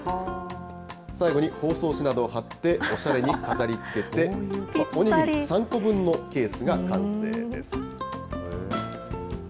最後に包装紙などを貼って、おしゃれに飾り付けて、お握り３個分のケースが完成です。